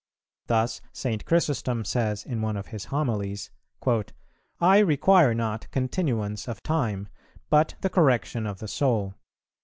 Thus St. Chrysostom says in one of his Homilies,[387:1] "I require not continuance of time, but the correction of the soul.